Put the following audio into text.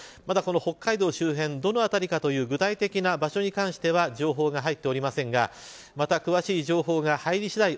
北海道周辺、どのあたりかは具体的な場所に関しては情報が入っておりませんがまた詳しい情報が入りしだい